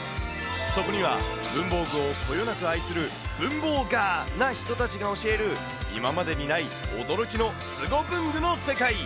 そこには、文房具をこよなく愛するブンボウガーな人たちが教える、今までにない驚きのすご文具の世界。